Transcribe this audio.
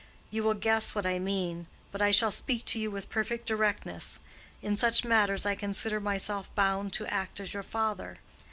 You will guess what I mean. But I shall speak to you with perfect directness: in such matters I consider myself bound to act as your father.